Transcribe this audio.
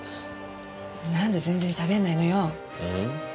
なんで全然しゃべんないのよ？